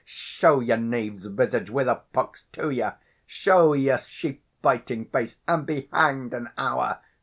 Show your knave's visage, with a pox to you! show your sheep biting face, and be hanged an hour!